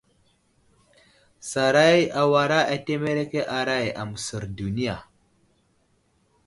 Saray awara ateremeke aray aməsər duniya.